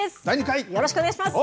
よろしくお願いします。